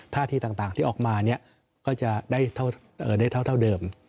ท่าที่ต่างที่ออกมาก็จะได้เท่าเดิม